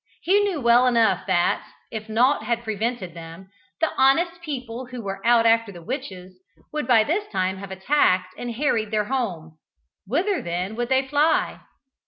He knew well enough that, if nought had prevented them, the honest people who were out after the witches, would by this time have attacked and harried their home. Whither, then, would they fly?